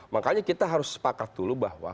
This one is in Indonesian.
makanya kita harus sepakat dulu bahwa